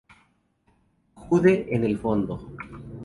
Jude en el fondo.